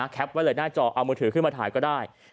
แคปไว้อย่างหน้าจอเอามูลถือขึ้นมาถ่ายก็ได้